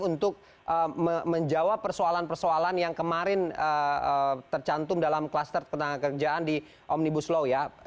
untuk menjawab persoalan persoalan yang kemarin tercantum dalam kluster ketenangan kerjaan di omnibus law ya